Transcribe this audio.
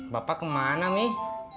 bapak kemana mih